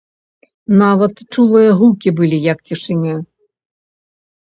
Нават чулыя гукі былі як цішыня.